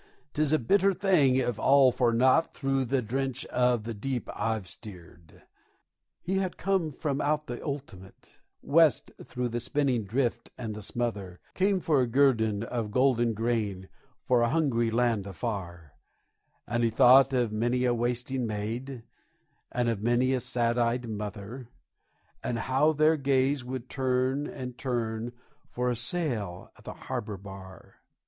'Tis a bitter thing if all for naught through the drench of the deep I've steered_! He had come from out of the ultimate West through the spinning drift and the smother, Come for a guerdon of golden grain for a hungry land afar; And he thought of many a wasting maid, and of many a sad eyed mother, And how their gaze would turn and turn for a sail at the harbor bar.